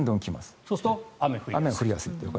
そうすると、雨が降りやすい。